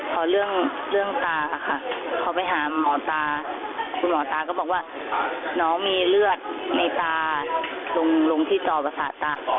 พอเรื่องตาค่ะพอไปหาหมอตาคุณหมอตาก็บอกว่าน้องมีเลือดในตาลงที่จอประสาทตา